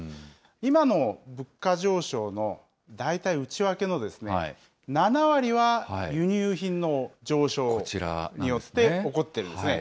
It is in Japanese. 今の物価上昇の大体内訳の７割は輸入品の上昇によって起こってるんですね。